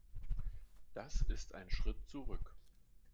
Das ist ein Schritt zurück.